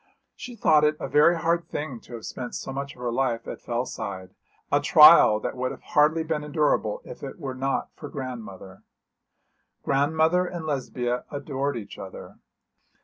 She thought it a very hard thing to have spent so much of her life at Fellside, a trial that would have hardly been endurable if it were not for grandmother. Grandmother and Lesbia adored each other.